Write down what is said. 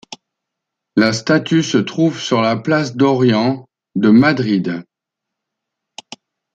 La statue se trouve sur la place d'Orient de Madrid.